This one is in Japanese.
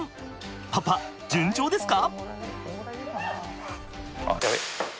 パパ順調ですか？